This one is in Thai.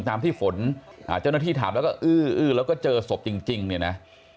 ตามที่ฝนเจ้าหน้าที่ถามแล้วก็อื้อแล้วก็เจอศพจริงเนี่ยนะ